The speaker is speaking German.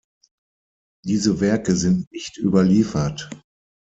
Diese Werke sind nicht überliefert.